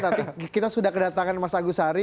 nanti kita sudah kedatangan mas agus hari